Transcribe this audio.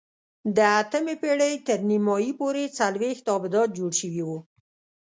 د اتمې پېړۍ تر نیمايي پورې څلوېښت ابدات جوړ شوي وو.